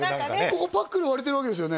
ここパックリ割れてるわけですよね？